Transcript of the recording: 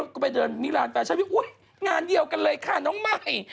ก็ไปเดินมิรานแฟชั่นพี่อุ๊ยงานเดียวกันเลยค่ะน้องใหม่